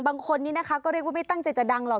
บางคนนี้นะคะก็เรียกว่าไม่ตั้งใจจะดังหรอก